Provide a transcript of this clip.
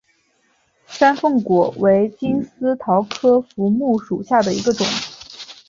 山凤果为金丝桃科福木属下的一个种。